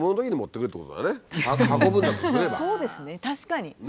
確かに。